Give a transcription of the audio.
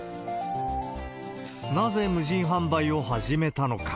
なぜ無人販売を始めたのか。